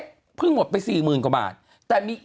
คุณหนุ่มกัญชัยได้เล่าใหญ่ใจความไปสักส่วนใหญ่แล้ว